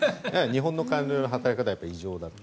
日本の官僚の働き方は異常だと。